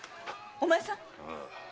お前さん